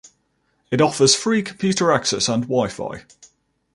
It offers free computer access and wifi.